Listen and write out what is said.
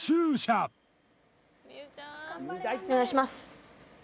お願いします